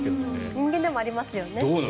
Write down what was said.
人間でもありますよね。